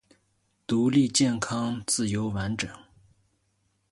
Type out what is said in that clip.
独立健康自由完整